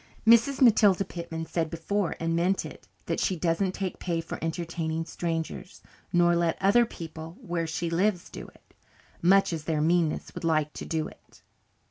"Mrs. Matilda Pitman said before and meant it that she doesn't take pay for entertaining strangers, nor let other people where she lives do it, much as their meanness would like to do it."